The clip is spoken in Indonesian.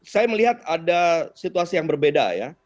saya melihat ada situasi yang berbeda ya